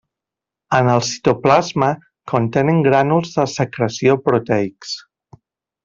En el citoplasma contenen grànuls de secreció proteics.